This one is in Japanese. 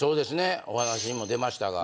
お話にも出ましたが。